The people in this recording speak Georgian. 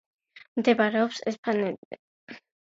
მდებარეობს ესპანეთის ქალაქ სეგოვიაში.